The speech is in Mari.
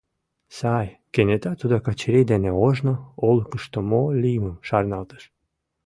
Сай, — Кенета тудо Качырий дене ожно, олыкышто мо лиймым шарналтыш.